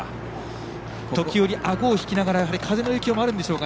時折、あごを引きながら風の影響もあるんでしょうか。